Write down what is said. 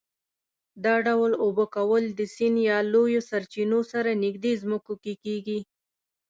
دا ډول اوبه کول د سیند یا لویو سرچینو سره نږدې ځمکو کې کېږي.